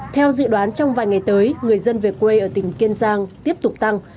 theo dự đoán trong vài ngày tới người dân về quê ở tỉnh kiên giang tiếp tục tăng